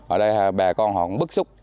ở đây bà con họ cũng bức xúc